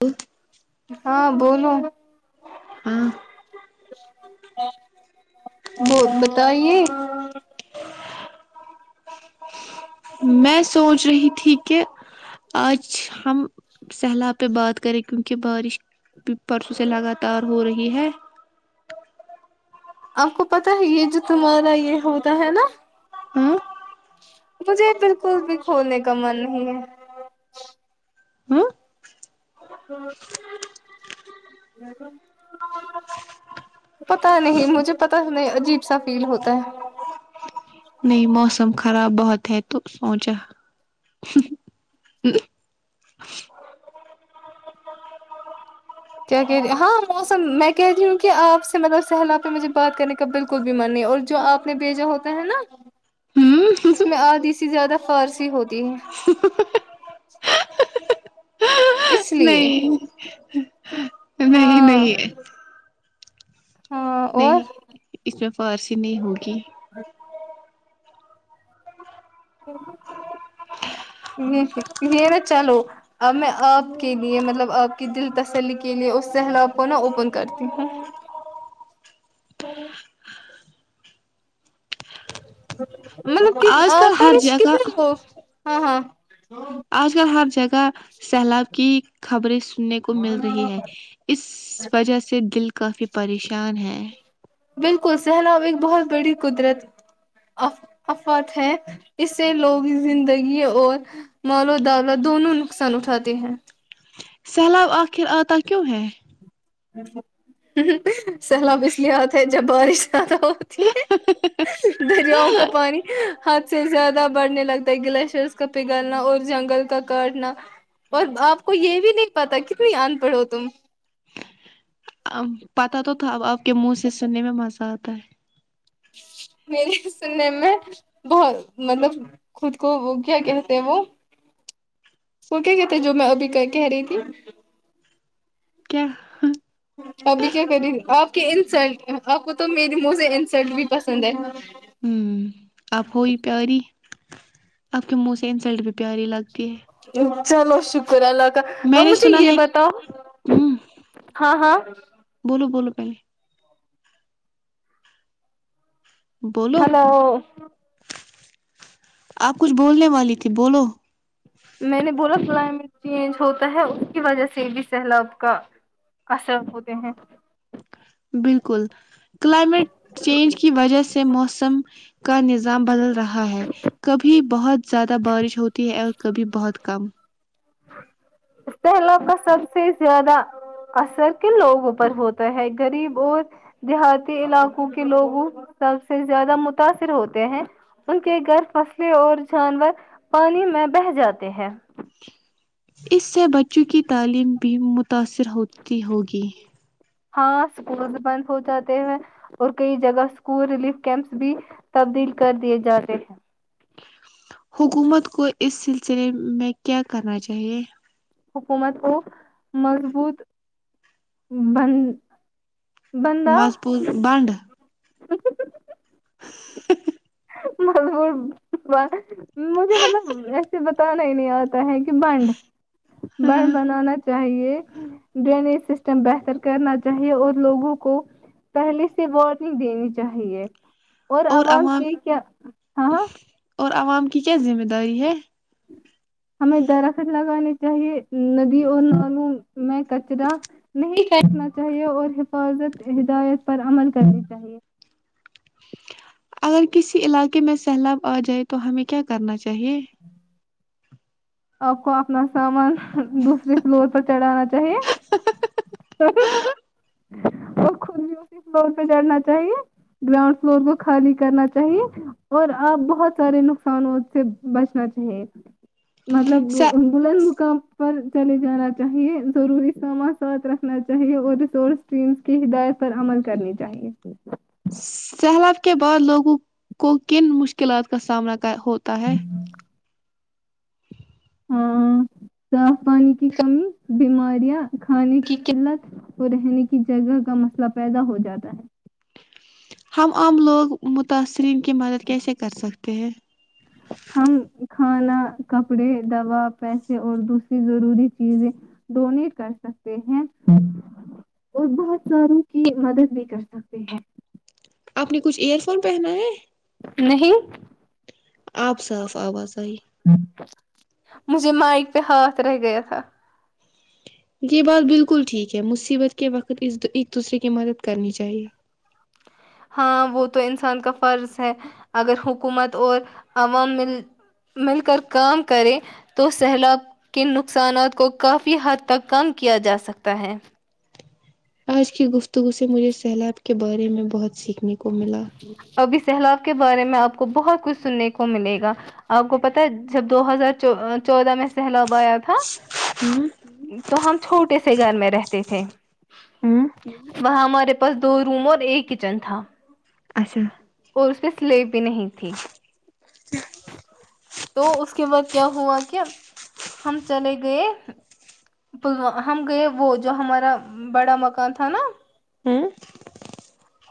ا [inaudible] ہاں بولو ہاں بو بتائیے [inaudible] میں سوچ رہی تھی کہ آج ہم سیلاب پہ بات کریں کیونکہ بارش بھی پرسوں سے لگاتار ہو رہی ہے آپ کو پتا ہے یہ جو تمہارا یہ ہوتا ہے نا ہاں مجھے بالکل بھی کھولنے کا من نہیں ہے ہاں [inaudible] پتا نہیں مجھے پتا نہیں عجیب سا فیل ہوتا ہے نہیں موسم خراب بہت ہے تو سوچا کیا کہہ رہی ہاں موسم میں کہہ رہی ہوں کہ آپ سے مطلب سیلاب پہ مجھے بات کرنے کا بالکل کوئی بیمار نہیں اور جو آپ نے بھیجا ہوتا ہے نا ہوں اس میں آدھی سی زیادہ فارسی ہوتی ہے ہ ہی ہی ہی اس لیے نہیں نہیں ہاں نہیں ہاں نہیں اور اس میں فارسی نہیں ہوگی ہاں ہیم حم چلو اب میں آپ کے لیے مطلب آپ کی دل تسلی کے لیے اس سیلاب کو نا اوپن کرتی ہوں مطلب کے آج کل ہر پریش جگہ کتنی ہو ہاں ہاں آج کل ہر جگہ سیلاب کی خبریں سننے کو مل رہی ہے اس وجہ سے دل کافی پریشان ہے بالکل سیلاب ایک بہت بڑی قدرت آف آفات ہے اس سے لوگوں کی زندگی اور مال و دولت دونوں نقصان اٹھاتے ہیں سیلاب آخر آتا کیوں ہیں ہ سیلاب اس لیے آتے ہے جب بارش زیادہ ہو تی ہے ہ ه ہے دریاؤں کا پانی حد سے زیادہ بڑھنے لگتا ہے گلیشرس کا پگھلنا اور جنگل کا کاٹ نا اور آپ کو یہ بھی نہیں پتا کتنی ان پڑھ ہو تم ا پتا تو تھا اب آپ کے منہ سے سننے میں مزہ آتا ہے میرے سے سننے میں بہت مطلب خود کو وہ کیا کہتے ہیں وہ وہ کیا کہتے جو میں ابھی کہہ رہی تھی کیا ابھی کیا کری آپ کے انسلٹ آپ کو تو میرے منہ سے انسلٹ بھی پسند ہے ہوں آپ ہو ہی پیاری آپ کے منہ سے انسلٹ بھی پیاری لگتی ہے چلو شکر اللہ کا میں اب نے مجھے سنا یہ ہے بتاؤ ہوں ہاں ہاں بولو بولو پہلے بولو ہلو آپ کچھ بولنے والی تھی بولو میں نے بولا کلائمیٹ چینج ہوتا ہے اس کی وجہ سے بھی سیلاب کا اثر ہوتے ہیں بالکل کلائمیٹ چینج کی وجہ سے موسم کا نظام بدل رہا ہے کبھی بہت زیادہ بارش ہوتی ہے اور کبھی بہت کم سہلاب کا سب سے زیادہ اثر کن لوگوں پر ہوتا ہے غریب اور دیہاتی علاقوں کے لوگوں سب سے زیادہ متاثر ہوتے ہیں ان کے گھر فصلیں اور جانور پانی میں بہ جاتے ہیں اس سے بچوں کی تعلیم بھی متاثر ہوتی ہوگی ہاں اسکولز بند ہو جاتے ہیں اور کئی جگہ اسکول ریلیف کیمپس بھی تبدیل کر دیے جا رہے ہیں حکومت کو اس سلسلے میں کیا کرنا چاہیے حکومت کو مضبوط بند بندہ مضبوط بانڈ [inaudible] [inaudible] مجھے مطلب ایسے بتانا ہی نہیں آتا ہے کہ بنڈ بڑ ہاں بنانا چاہیے ڈرینیج سسٹم بہتر کرنا چاہیے اور لوگوں کو پہلے سے وارننگ دینی چاہیے اور عوام کے کیا ہاں اور عوام کی کیا ذمہ داری ہے ہمیں درخت لگانے چاہیے ندی اور نالوں میں کچرا نہیں پھینکا چاہیے اور حفاظت ہدایت پر عمل کرنی چاہیے اگر کسی علاقے میں سیلاب آ جائے تو ہمیں کیا کرنا چاہیے آپ کو اپنا سامان دوسرے فلور پر چڑھانا صحیح ہے صحی اسی فلور پہ چڑنا چاہیے گراؤنڈ فلور کو خالی کرنا چاہیے اور آپ بہت سارے نقصانوں سے بچنا چاہیے مطلب بلند مکام پر چلے جانا چاہیے ضروری سامان ساتھ رکھنا چاہیے اور رسس اسٹمس کی ہدایت پر عمل کرنی چاہیے سیلاب کے بعد لوگوں کو کن مشکلات کا سامنا ہوتا ہے ہاں صاف پانی کی کمی بیماریاں کھانے کی قلت وہ رہنے کی جگہ کا مسئلہ پیدا ہو جاتا ہے ہم عام لوگ متاثرین کی مدد کیسے کر سکتے ہیں ہم کھانا کپڑے دوا پیسے اور دوسری ضروری چیزیں ڈونیٹ کر سکتے ہیں اور بہت ساروں کی مدد بھی کر سکتے ہیں آپ نے کچھ ایئر فون پہنا ہے نہیں آپ صاف آواز آئی مجھے مائک پہ ہاتھ رہ گیا تھا یہ بات بالکل ٹھیک ہے مصیبت کے وقت اس ایک دوسرے کی مدد کرنی چاہیے ہاں وہ تو انسان کا فرض ہے اگر حکومت اور عوام میل مل کر کام کرے تو سیلاب کے نقصانات کو کافی حد تک کم کیا جا سکتا ہے آج کی گفتگو سے مجھے سیلاب کے بارے میں بہت سیکھنے کو ملا ابھی سیلاب کے بارے میں آپ کو بہت کچھ سننے کو ملے گا آپ کو پتا ہے جب دو ہزار چودہ میں سہلابایا تھا ہ تو ہم چھوٹے سے گھر میں رہتے تھے ہوں وہاں ہمارے پاس دو روم اور ایک کچن تھا اچھا اور اس پہ سلاوی بھی نہیں تھی تو اس کے بعد کیا ہوا کہ ہم چلے گئے پلوام ہم گئے وہ جو ہمارا بڑا مکان تھا نا ہاں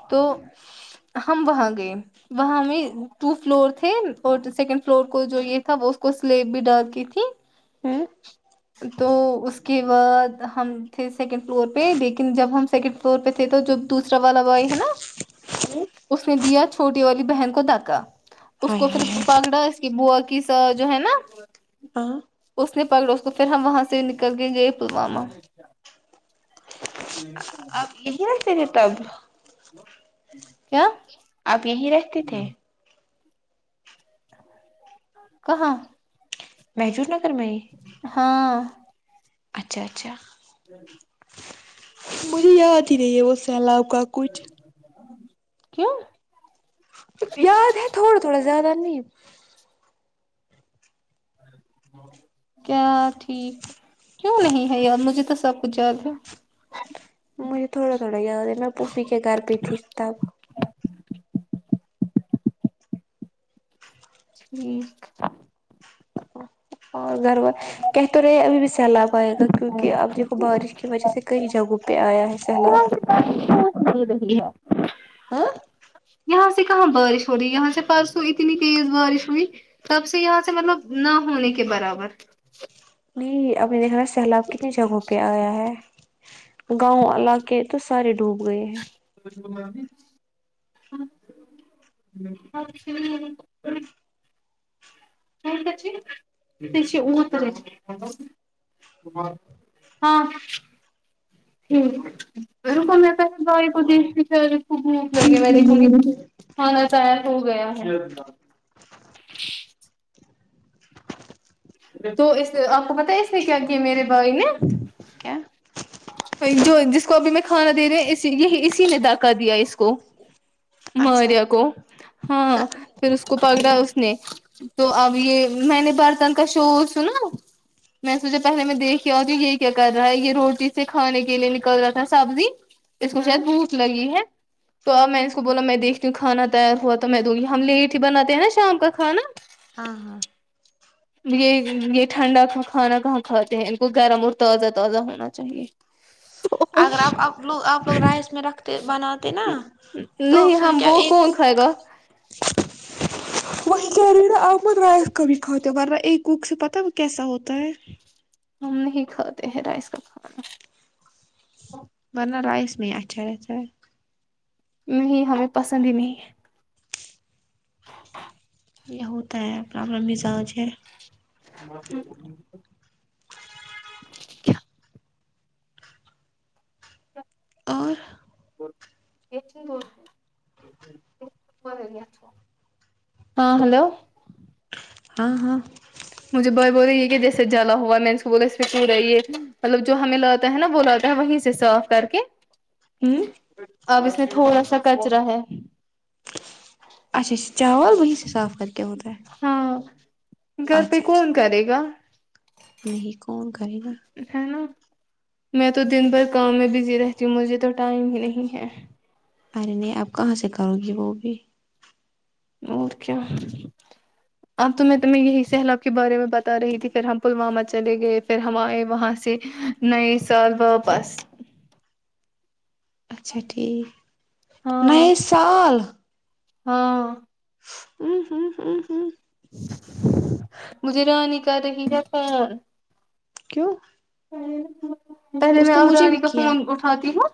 تو ہم وہاں گئے وہاں میں ٹو فلور تھے اور سیکنڈ فلور کو جو یہ تھا وہ اس کو سلیب بھی ڈال کی تھی ہوں تو اس کے بعد ہم تھے سیکنڈ فلور پہ لیکن جب ہم سیکنڈ ف طور پہ تھے تو جب دوسرا والا بھائی ہے نا ہائے اس نے دیا چھوٹی والی بہن کو داکا اس کو ہائے پھر ہائے پکڑا اس کی بوا کے ساتھ جو ہے نا ہاں اس نے پکڑا اس کو پھر ہم وہاں سے نکل گئے پلواما آپ یہیں رہتے تھے تب کیا آپ یہی رہتے تھے کہاں محجور نگر میں ہی ہاں اچھا اچھا مجھے یاد ہی نہیں ہے وہ سیلاب کا کچھ کیوں یاد ہے تھوڑا تھوڑا زیادہ نہیں ہے کیا ٹھیک کیوں نہیں ہے یار مجھے تو سب کچھ یاد ہے مجھے تھوڑا تھوڑا یاد ہے میں پھوفی کے گھر پے تھی تب ٹھیک اور گھر ور کہہ تو رہے ابھی بھی سیلاب آئے گا کیونکہ اب دیکھو بارش کی وجہ سے کئی جگہوں پہ آیا ہے سیلاب کھیل رہی ہے ہاں یہاں سے کہاں بارش ہو رہی یہاں سے پرسو اتنی تیز بارش ہوئی تب سے یہاں سے مطلب نہ ہونے کے برابر نہیں اپ نے دیکھا سیلاب کتنی جگہوں پہ آیا ہے گاؤں علاقے تو سارے ڈوب گئے ہیں [unintelligible] کونے رہ ج ہاں ٹھیک روکو میں اپنے بھائی کو دیکھنے تیری لگے میں دیکھوں گی کیا کھانا چاہے ہو گیا ہے تو اس آپ کو پتا ہے اس میں کیا کیا میرے بھائی نے کیا جو جس کو ابھی میں کھانا دے رہے اس یہی اسی نے داکا دیا اس کو اچھا ماریا کو ہاں پھر اس کو پکڑا اس نے تو اب یہ میں نے برتن کا شور سنا میں سوچا پہلے میں دیکھ کے آتی ہوں یہ کیا کر رہا ہے یہ روٹی سے کھانے کے لیے نکل رہا تھا سبزی اس کو ہاں شاید بھوک لگی ہے تو اب میں نے اس کو بولا میں دیکھتی ہوں کھانا تیار ہوا تو میں دوں گی ہم لیٹ ہی بناتے ہیں نا شام کاھانا ہاں ہاں یہ یہ ٹھنڈا کھانا کہاں کھاتے ہیں ان کو گرم اور تازہب تازہ ہونا چاہیے اگر آپ اب لوگ آپ لوگ رائس میں رکھتے بناتے نا نہیں ہم وہ کون کھائے گا وہ ہی کے ریو نا مت رائت کبھی کھاتے ہو بارہ ایک وک سے پتا ہے وہ کیسا ہوتا ہے ہم نہیں کھاتے ہیں رائس کا کھانا برنر رائس میں اچھا ہےاچھا ہے نہیں ہمیں پسند ہی نہیں ہے یہ ہوتا ہے پرابلم مجاز ہے اور ہے ہاں ہلو ہا ہا مجھے بوائے بولے یہ کہ جیسے جا ہوا میں نے اس کو بولا اسٹ رہی یہ تھی مطلب جو ہمیں لاتا ہے نا وہ لاتا ہے وہیں سے صاف کر کے ہوں اب اس میں تھوڑا سا کچرا ہے اچا اچھا چاول وہی سے صاف کر کے وہ تو ہاں گھر پہ اچھا اچھا کون کرے گا نہیں کون کرے گا ہے نا میں تو دن بھر کام میں بزی رہتی ہوں مجھے تو ٹائم ہی نہیں ہے ارے نہیں آپ کہاں سے کرو گی وہ بھی اور کیا اب تو میں تمیں یہی سیلاب کے بارے میں بتا رہی تھی پھر ہم پلوامہ چلے گئے پھر ہم آئے وہاں سے نہیں سال واپس اچھا ٹھیک ہاں نہیں سال ہاں ہوں ہوں ہ ہوں مجھے رانی کر رہی ہے فان کیوں پہلے میں اس نے اب مجھے بھی رانی کا کیا فون اٹھاتی ہوں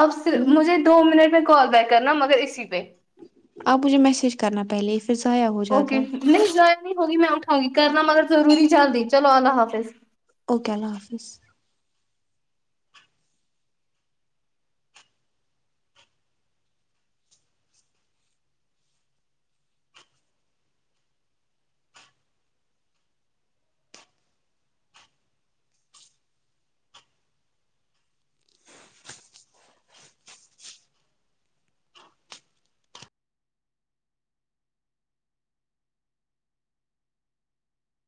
آپ فر ہ مجھے دو منٹ میں کال بیک کرنا مگر اسی پہ آپ مجھے میسج کرنا پہلے پھر ضائع ہو اوکے جاتا ہے نہیں جر نہیں ہوگی میں اٹھاں گی کرنا مگر ضرور چل رہ چلو اللہ حافظ اوکے اللہ حافظ